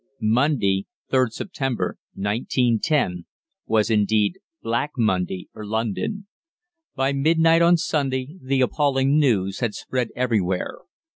Monday, 3rd September, 1910, was indeed Black Monday for London. By midnight on Sunday the appalling news had spread everywhere.